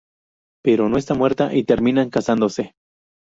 Pero no está muerta y terminan casándose.